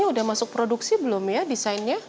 udah masuk produksi belum ya designnya